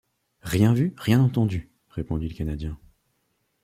Rien vu, rien entendu ! répondit le Canadien.